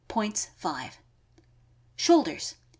Points, 5. Shoulders.